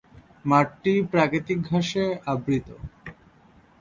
মাঠটি প্রাকৃতিক ঘাসে আবৃত।